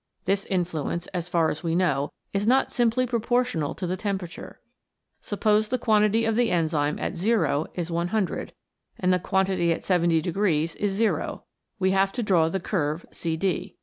This influence as far as we know is not simply proportional to the temperature. Suppose the quantity of the enzyme at o is 100, and the quantity at 70 degrees is o, we have to draw the curve CD.